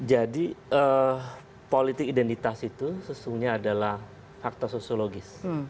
jadi politik identitas itu sesungguhnya adalah fakta sosiologis